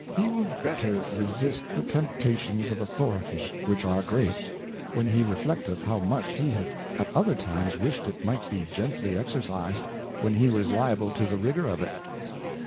He will better resist »»T.„rAx N the 178 A Rough Draught the Temptations of Authority (which are great) when he re flecteth how much he hath at other times wished it might be gently exercised, when he was liable to the Rigour of it.